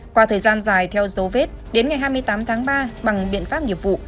qua thời gian dài theo dấu vết đến ngày hai mươi tám tháng ba bằng biện pháp nghiệp vụ